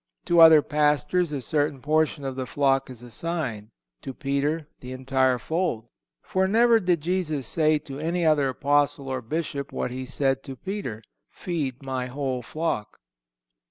To other Pastors a certain portion of the flock is assigned; to Peter the entire fold; for, never did Jesus say to any other Apostle or Bishop what He said to Peter: Feed My whole flock.